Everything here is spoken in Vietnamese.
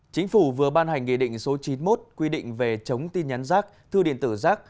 chính phủ vừa ban hành nghị định số chín mươi một quy định về chống tin nhắn rác thư điện tử rác